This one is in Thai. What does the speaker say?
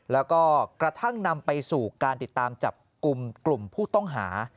แล้วก็กระทั่งนำไปสู่การติดตามจับกลุ่มกลุ่มผู้ต้องหา